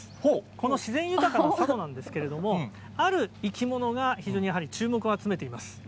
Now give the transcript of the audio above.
この自然豊かな佐渡なんですけれども、ある生き物が非常にやはり注目を集めています。